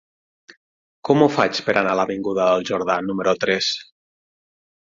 Com ho faig per anar a l'avinguda del Jordà número tres?